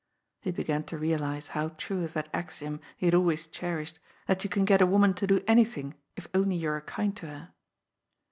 He began to realize how true is that axiom he had always cherished, that you can get a woman to do anything if only you are kind to her